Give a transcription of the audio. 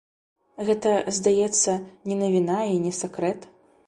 Гэта, здаецца, не навіна і не сакрэт.